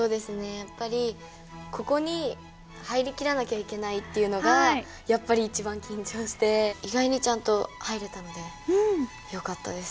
やっぱりここに入りきらなきゃいけないっていうのがやっぱり一番緊張して意外にちゃんと入れたのでよかったです。